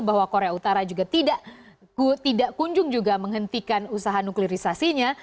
bahwa korea utara juga tidak kunjung juga menghentikan usaha nuklirisasinya